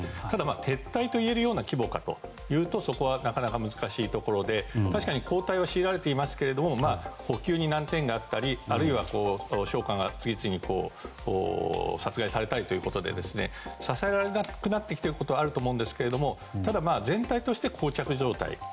ただ、撤退といえるような規模かというとそこはなかなか難しいところで確かに後退を強いられていますが補給に難点があったりあるいは将官が次々と殺害されたりということで支えられなくなってきていることはあると思うんですけれども全体として膠着状態。